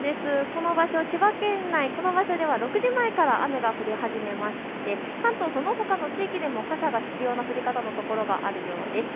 この場所、千葉県内、この場所では６時前から雨が降り始めまして関東そのほかの地域でも傘が必要な降り方のところがあるようです。